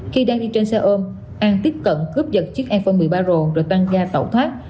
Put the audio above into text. khi đang đi trên xe ôm an tiếp cận cướp giật chiếc iphone một mươi ba r rồi tăng ga tẩu thoát